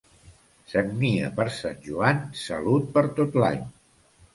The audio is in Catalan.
Sagnia per Sant Joan, salut per tot l'any.